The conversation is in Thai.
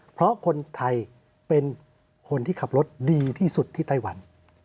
เพราะคนไทยเป็นคนที่ขับรถดีที่สุดที่ไต้หวัน